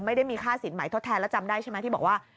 ไม่ได้มีค่าสินใหม่ทดแทนแล้วจำได้ใช่ไหมที่บอกว่า